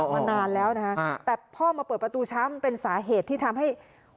มานานแล้วนะคะแต่พ่อมาเปิดประตูช้ามันเป็นสาเหตุที่ทำให้